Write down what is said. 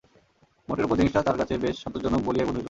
মোটের উপর জিনিসটা তাহার কাছে বেশ সন্তোষজনক বলিয়াই বোধ হইল।